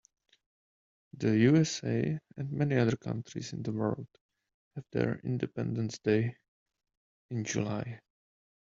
The USA and many other countries of the world have their independence day in July.